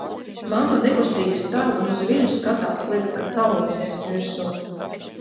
Mamma nekustīgi stāv un uz viņu skatās, liekas, ka cauri, nevis virsū.